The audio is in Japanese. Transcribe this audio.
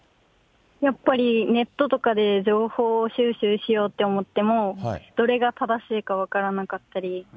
やっぱりネットとかで情報収集しようと思っても、どれが正しいか分からなかったり。